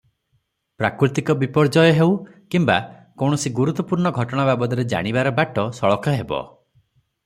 ପ୍ରାକୃତିକ ବିପର୍ଯ୍ୟୟ ହେଉ କିମ୍ବା କୌଣସି ଗୁରୁତ୍ତ୍ୱପୂର୍ଣ୍ଣ ଘଟଣା ବାବଦରେ ଜାଣିବାର ବାଟ ସଳଖ ହେବ ।